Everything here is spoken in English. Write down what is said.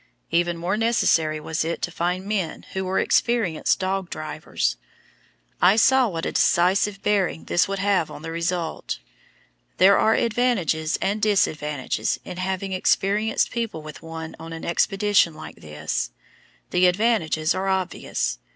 Even more necessary was it to find men who were experienced dog drivers; I saw what a decisive bearing this would have on the result. There are advantages and disadvantages in having experienced people with one on an expedition like this. The advantages are obvious.